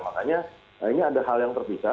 makanya ini ada hal yang terpisah